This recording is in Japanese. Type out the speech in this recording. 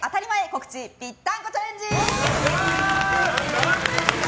告知ぴったんこチャレンジ！